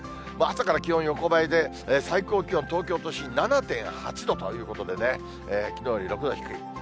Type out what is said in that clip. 朝から気温横ばいで、最高気温、東京都心７．８度ということでね、きのうより６度低い。